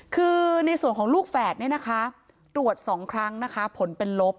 คือในส่วนของลูกแฝดตรวจ๒ครั้งผลเป็นลบ